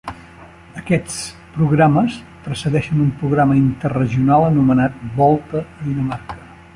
Aquests programes precedeixen un programa interregional anomenat Volta a Dinamarca.